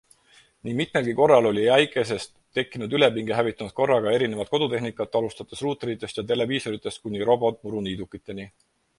Nii mitmelgi korral oli äikesest tekkinud ülepinge hävitanud korraga erinevat kodutehnikat alustades ruuteritest ja televiisoritest kuni robotmuruniidukiteni.